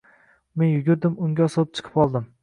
Men yugurdim, unga osilib chiqib oldim.